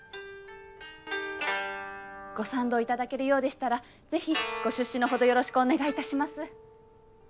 ご賛同いただけるようでしたらぜひご出資のほどよろしくお願いいたします。